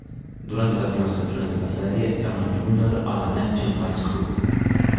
Durante la prima stagione della serie è una Junior alla "Neptune High School".